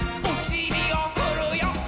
おしりをふるよ。